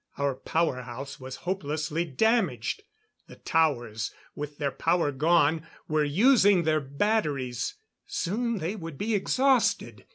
Our power house was hopelessly damaged; the towers, with their power gone, were using their batteries; soon they would be exhausted.